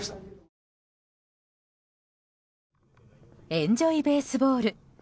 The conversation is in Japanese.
エンジョイベースボール。